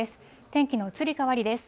天気の移り変わりです。